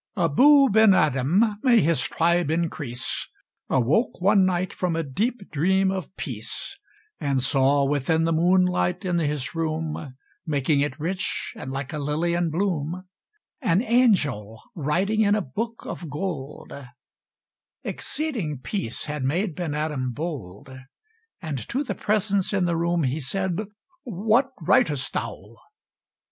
Abou Ben Adhem (may his tribe increase!) Awoke one night from a deep dream of peace, And saw, within the moonlight in his room, Making it rich, and like a lily in bloom, An angel writing in a book of gold: Exceeding peace had made Ben Adhem bold, And to the presence in the room he said, "What writest thou?"